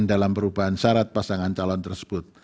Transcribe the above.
dalam perubahan syarat pasangan calon tersebut